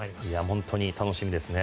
本当に楽しみですね。